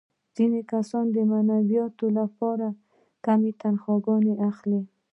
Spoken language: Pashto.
ځینې کسان د معنویاتو لپاره کمه تنخوا اخلي